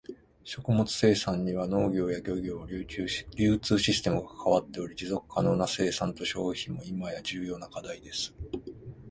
食物生産には農業や漁業、流通システムが関わっており、持続可能な生産と消費も今や重要な課題です。